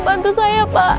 bantu saya pak